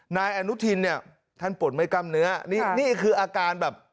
นายอนุทินเนี่ยท่านปวดไม่กล้ามเนื้อนี่นี่คืออาการแบบ